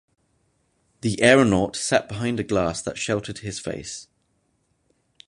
The aeronaut sat behind a glass that sheltered his face.